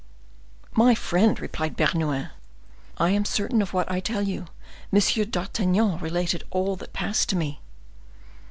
"My friend," replied Bernouin, "I am certain of what I tell you. M. d'Artagnan related all that passed to me."